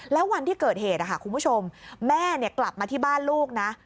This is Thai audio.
แล้ววันที่เกิดเหตุคุณผู้ชมแม่กลับมาที่บ้านลูกนะ